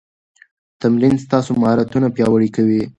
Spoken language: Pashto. تمرین ستاسو مهارتونه پیاوړي کوي.